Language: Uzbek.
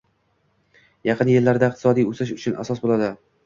yaqin yillarda iqtisodiy o‘sish uchun asos bo‘ladi.